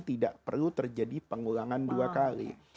tidak perlu terjadi pengulangan dua kali